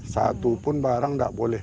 satupun barang tidak boleh